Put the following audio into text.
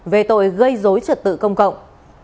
về tội gây rối trật tự công cộng